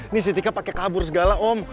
ini si ditika pakai kabur segala om